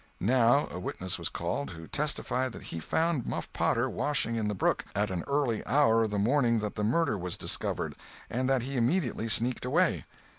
Now a witness was called who testified that he found Muff Potter washing in the brook, at an early hour of the morning that the murder was discovered, and that he immediately sneaked away.